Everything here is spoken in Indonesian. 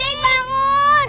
bang dik bangun